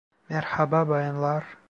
Merhaba bayanlar.